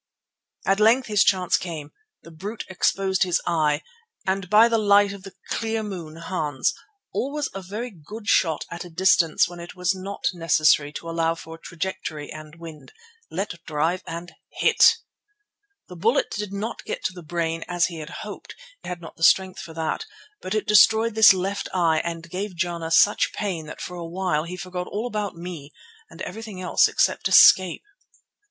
At length his chance came, the brute exposed his eye, and by the light of the clear moon Hans, always a very good shot at a distance when it was not necessary to allow for trajectory and wind, let drive and hit. The bullet did not get to the brain as he had hoped; it had not strength for that, but it destroyed this left eye and gave Jana such pain that for a while he forgot all about me and everything else except escape.